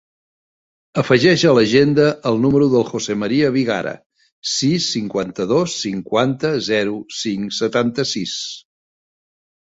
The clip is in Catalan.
Afegeix a l'agenda el número del José maria Vigara: sis, cinquanta-dos, cinquanta, zero, cinc, setanta-sis.